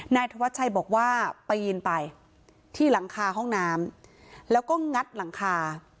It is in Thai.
นายธวัชชัยบอกว่าปีนไปที่หลังคาห้องน้ำแล้วก็งัดหลังคา